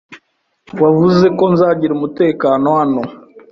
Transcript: Wavuze ko nzagira umutekano hano.